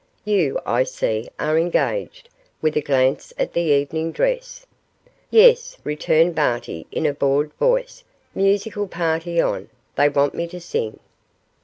You, I see, are engaged,' with a glance at the evening dress. 'Yes,' returned Barty, in a bored voice; 'musical party on, they want me to sing.